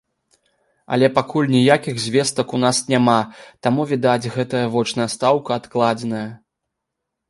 Але пакуль ніякіх звестак ў нас няма, таму, відаць, гэтая вочная стаўка адкладзеная.